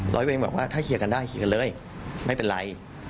ร้อยเวรบอกว่าถ้าเคลียร์กันได้เคลียร์กันเลยไม่เป็นไร